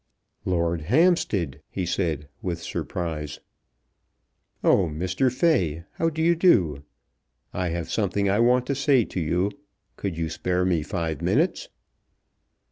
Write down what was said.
"Lord Hampstead!" he said, with surprise. "Oh, Mr. Fay, how do you do? I have something I want to say to you. Could you spare me five minutes?"